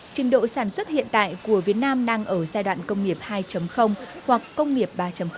trình độ sản xuất hiện tại của việt nam đang ở giai đoạn công nghiệp hai hoặc công nghiệp ba